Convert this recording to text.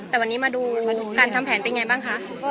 แต่วันนี้มาดูการทำแผนเป็นไงบ้างคะ